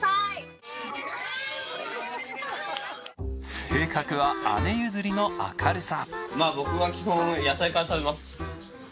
性格は姉譲りの明るさ。